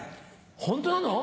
ホントなの？